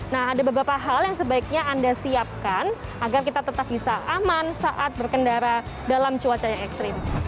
nah ada beberapa hal yang sebaiknya anda siapkan agar kita tetap bisa aman saat berkendara dalam cuaca yang ekstrim